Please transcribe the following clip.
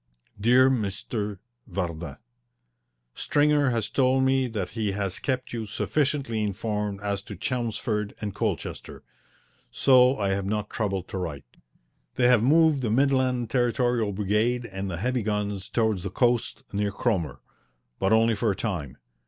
DEAR M. VARDIN, Stringer has told me that he has kept you sufficiently informed as to Chelmsford and Colchester, so I have not troubled to write. They have moved the Midland Territorial Brigade and the heavy guns towards the coast near Cromer, but only for a time.